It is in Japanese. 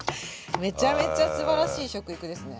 めちゃめちゃすばらしい食育ですね。